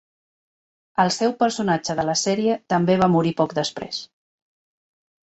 El seu personatge de la sèrie també va morir poc després.